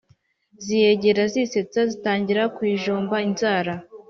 ziyegera zisetsa zitangira kuyijomba inzara.